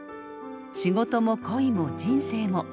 仕事も恋も人生も。